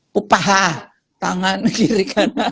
pupaha tangan kiri kanan